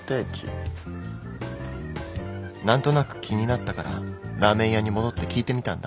何となく気になったからラーメン屋に戻って聞いてみたんだ。